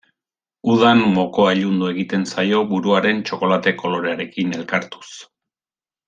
Udan mokoa ilundu egiten zaio buruaren txokolate kolorearekin elkartuz.